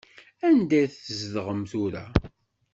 Anda i tzedɣem tura?